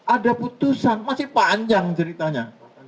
ada putusan masih panjang ceritanya